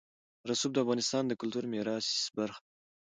رسوب د افغانستان د کلتوري میراث برخه ده.